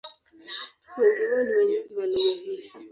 Wengi wao ni wenyeji wa lugha hii.